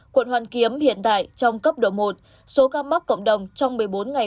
quận hoàn kiếm hiện đại trong cấp độ một số ca mắc cộng đồng trong một mươi bốn ngày